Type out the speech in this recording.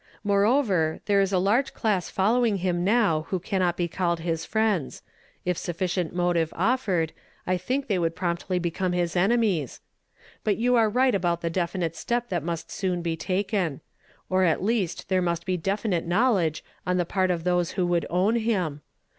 Moreovei , there is a large class follow ing him now who cannot be called his friends ; if sufficient motive offered, I think they would promptly become his enemies. But you are right about the definite step that must soon be taken ; or at least there must be definite knowledge on the part ,of tliose who would own him.